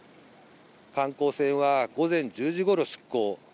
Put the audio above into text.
観光船は午前１０時ごろ出航。